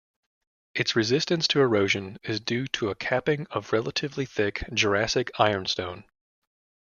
Its resistance to erosion is due to a capping of relatively thick Jurassic Ironstone.